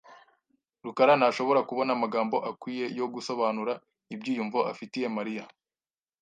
rukara ntashobora kubona amagambo akwiye yo gusobanura ibyiyumvo afitiye Mariya .